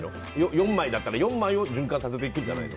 ４枚だったら４枚を循環させていくんじゃないの。